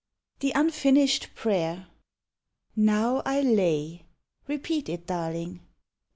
THE UNFINISHED PKAYEK. "Now 1 lay," rei>eat it, darling.